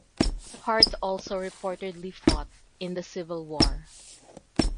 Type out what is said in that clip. Hart also reportedly fought in the Civil War.